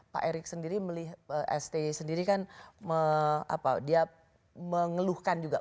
pak erick sendiri melihat sti sendiri kan dia mengeluhkan juga